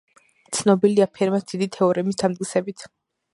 ცნობილია ფერმას დიდი თეორემის დამტკიცებით.